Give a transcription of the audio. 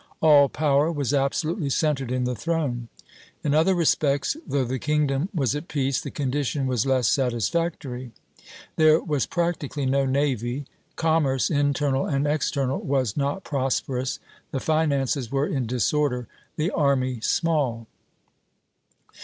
All power was absolutely centred in the throne. In other respects, though the kingdom was at peace, the condition was less satisfactory. There was practically no navy; commerce, internal and external, was not prosperous; the finances were in disorder; the army small.